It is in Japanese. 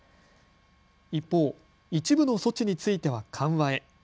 一方、一部の措置については緩和へ。